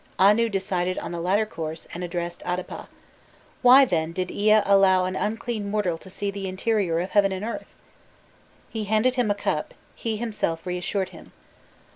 Anu decided on the latter course, and addressed Adapa: "'Why, then, did Ea allow an unclean mortal to see the interior of heaven and earth?' He handed him a cup, he himself reassured him.